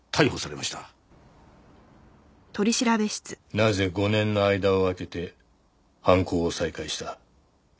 なぜ５年の間を空けて犯行を再開した？